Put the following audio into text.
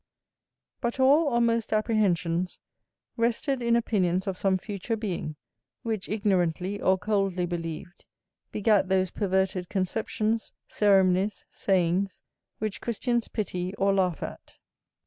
But all or most apprehensions rested in opinions of some future being, which, ignorantly or coldly believed, begat those perverted conceptions, ceremonies, sayings, which Christians pity or laugh at.